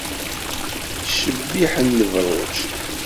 Yettcebbiḥen lebruǧ.